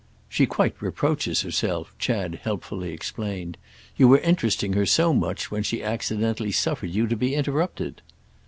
"She quite reproaches herself," Chad helpfully explained: "you were interesting her so much when she accidentally suffered you to be interrupted."